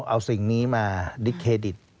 เอาสิ่งมาดิสเคดิต